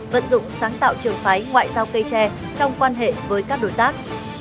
vận dụng sáng tạo trường phái ngoại giao cây tre trong quan hệ với các đối tác